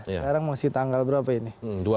sekarang masih tanggal berapa ini